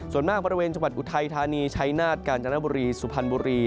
ส่วนมากบริเวณจังหวัดอุทัยธานีชัยนาฏกาญจนบุรีสุพรรณบุรี